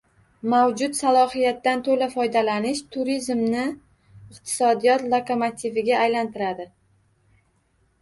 Mavjud salohiyatdan to‘la foydalanish turizmni iqtisodiyot lokomotiviga aylantiradi